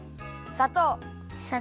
さとう。